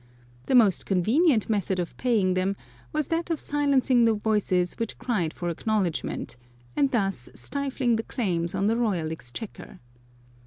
The most convenient method of paying them was that of silencing the voices which cried for acknowledgment, and thus stifling the claims on the royal exchequer.